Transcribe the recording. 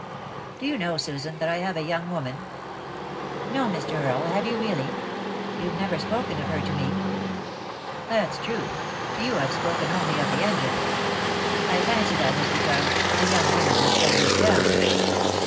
"Do you know, Susan, that I have a young woman?" * No, Mr. Earle, have you really ? You've never spoken of her to me." "That's true; to you I've spoken only of the engine. I fancy that was because — the young woman was so deep down."